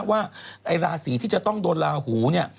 ว่าราศีที่จะต้องโดนลาหูเนี่ย